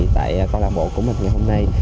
tại con làng bộ của mình ngày hôm nay